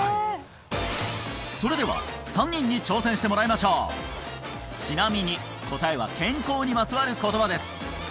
それでは３人に挑戦してもらいましょうちなみに答えは健康にまつわる言葉です